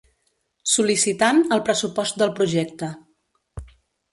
Sol·licitant al pressupost del projecte.